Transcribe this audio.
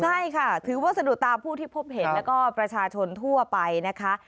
ใช่ค่ะถือว่าสะดุดตาผู้ที่พบเห็นแล้วก็ประชาชนทั่วไปนะคะ